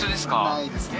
ないですね